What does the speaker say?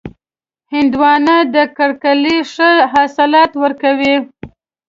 هندوانه د کرکېلې ښه حاصلات ورکوي.